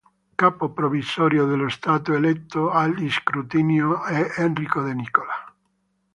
Capo provvisorio dello Stato, eletto al I scrutinio, è Enrico De Nicola.